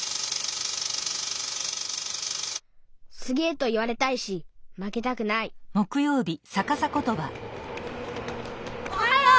すげえと言われたいしまけたくないおはよう！